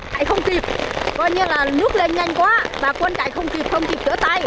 chạy không kịp coi như là nước lên nhanh quá và quân chạy không kịp không kịp chữa tay